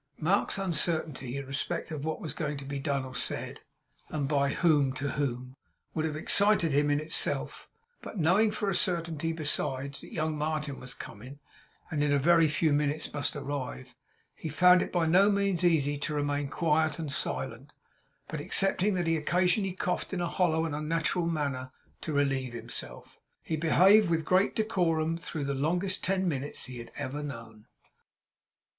Mark's uncertainty in respect of what was going to be done or said, and by whom to whom, would have excited him in itself. But knowing for a certainty besides, that young Martin was coming, and in a very few minutes must arrive, he found it by no means easy to remain quiet and silent. But, excepting that he occasionally coughed in a hollow and unnatural manner to relieve himself, he behaved with great decorum through the longest ten minutes he had ever known.